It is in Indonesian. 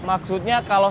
aku dia tuh